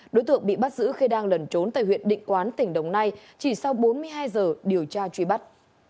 đối tượng bị bắt giữ khi đang lẩn trốn tại huyện định quán tỉnh đồng nai chỉ sau bốn mươi hai giờ điều tra truy bắt